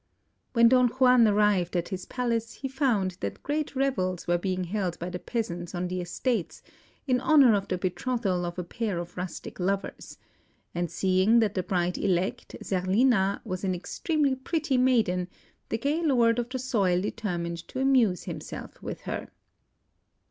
When Don Juan arrived at his palace he found that great revels were being held by the peasants on the estates, in honour of the betrothal of a pair of rustic lovers; and seeing that the bride elect, Zerlina, was an extremely pretty maiden, the gay lord of the soil determined to amuse himself with her.